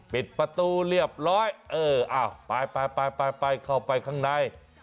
ปิดประตูเรียบร้อยเอออ้าวไปไปเข้าไปข้างใน